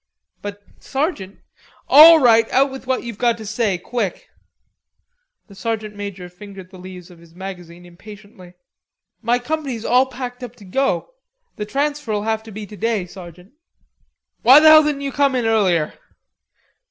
"But, sergeant." "All right; out with what you've got to say, quick." The sergeant major fingered the leaves of his magazine impatiently. "My company's all packed up to go. The transfer'll have to be today, sergeant." "Why the hell didn't you come in earlier?...